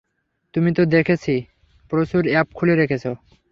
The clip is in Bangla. তুমি তো দেখছি প্রচুর অ্যাপ খুলে রেখেছো।